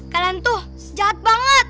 kalian tuh jahat banget